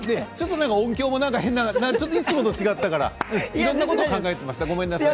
ちょっと音響もいつもと違ったからいろいろなことを考えてました。